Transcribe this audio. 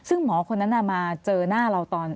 ซึ่งหมอคนนั้นมาเจอหน้าเราตอน